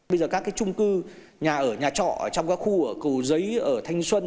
bây giờ các cái trung cư nhà ở nhà trọ trong các khu ở cầu giấy ở thanh xuân